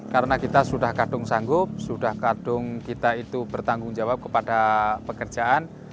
karena kita sudah kadung sanggup sudah kadung kita itu bertanggung jawab kepada pekerjaan